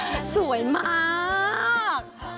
โอ้ยสวยมาก